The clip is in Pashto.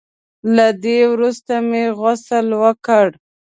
له دې وروسته مې غسل وکړ.